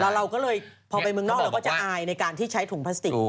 เราก็เลยพอไปเมืองนอกเราก็จะอายในการที่ใช้ถุงพลาสติก